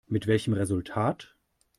Mit welchem Resultat?